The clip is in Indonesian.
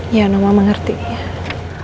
iya noma mengerti ya